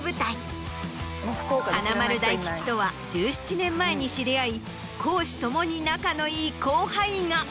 華丸・大吉とは１７年前に知り合い公私共に仲のいい後輩が。